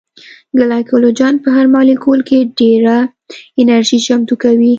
ګلایکوجن په هر مالیکول کې ډېره انرژي چمتو کوي